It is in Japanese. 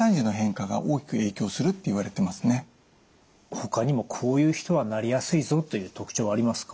ほかにもこういう人はなりやすいぞという特徴はありますか？